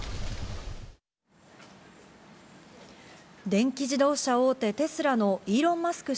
電気自動車大手テスラのイーロン・マスク